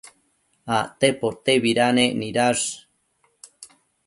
Acte potebidanec nidash